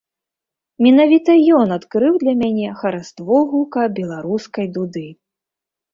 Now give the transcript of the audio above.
Менавіта ён адкрыў для мяне хараство гука беларускай дуды.